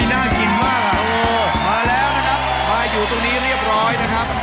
น่ากินมากอ่ะโอ้มาแล้วนะครับมาอยู่ตรงนี้เรียบร้อยนะครับ